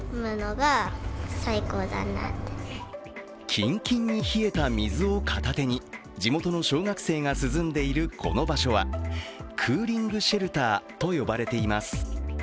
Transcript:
キンキンに冷えた水を片手に、地元の小学生が涼んでいるこの場所はクーリングシェルターと呼ばれています。